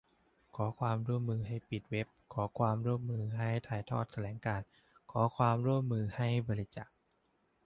ขอความร่วมมือให้ปิดเว็บ ขอความร่วมมือให้ถ่ายทอดแถลงการณ์ ขอความร่วมมือให้บริจาค